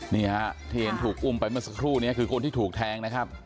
นี่ฮะที่เห็นถูกอุ้มไปเมื่อสักครู่นี้คือคนที่ถูกแทงนะครับ